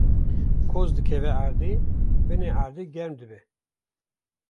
koz dikeve erdê, binê erdê germ dibe